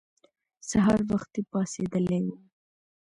سهار وختي پاڅېدلي وو.